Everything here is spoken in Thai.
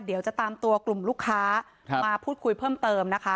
เดี๋ยวจะตามตัวกลุ่มลูกค้ามาพูดคุยเพิ่มเติมนะคะ